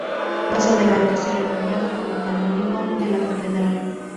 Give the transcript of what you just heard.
Más adelante será nombrado como canónigo de la Catedral.